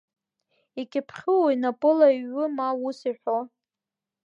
Икьыԥхьуи, напыла иҩуи, ма ус иҳәоу.